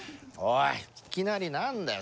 いきなり何だよ！